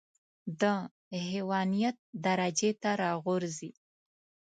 د حيوانيت درجې ته راغورځي.